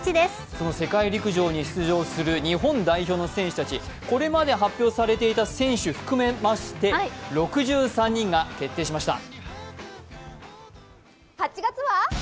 その世界陸上に出場する日本代表の選手たち、これまで発表されていた選手含めまして６３人が決定しました。